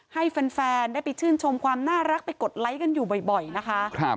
ให้แฟนได้ไปชื่นชมความน่ารักไปกดไลค์กันอยู่บ่อยนะคะ